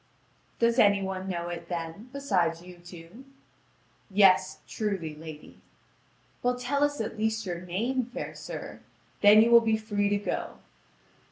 "Does any one know it, then, beside you two?" "Yes, truly, lady." "Well, tell us at least your name, fair sir; then you will be free to go."